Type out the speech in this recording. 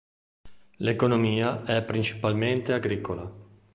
L'economia è principalmente agricola.